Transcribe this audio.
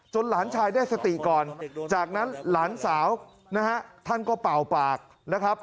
หลานชายได้สติก่อนจากนั้นหลานสาวนะฮะท่านก็เป่าปากนะครับ